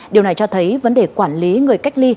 điều này cho thấy vấn đề quản lý người cách ly